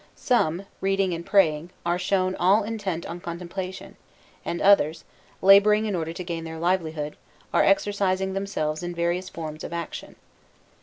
Some, reading and praying, are shown all intent on contemplation, and others, labouring in order to gain their livelihood, are exercising themselves in various forms of action.